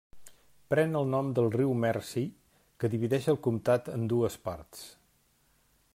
Pren el nom del riu Mersey que divideix el comtat en dues parts.